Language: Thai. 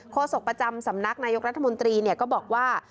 โศกประจำสำนักนายกรัฐมนตรีก็บอกว่า